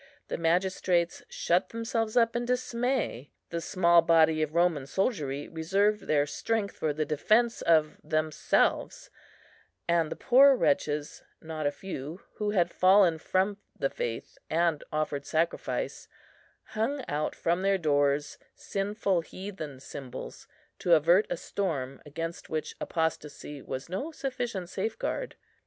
The magistrates shut themselves up in dismay; the small body of Roman soldiery reserved their strength for the defence of themselves; and the poor wretches, not a few, who had fallen from the faith, and offered sacrifice, hung out from their doors sinful heathen symbols, to avert a storm against which apostasy was no sufficient safeguard.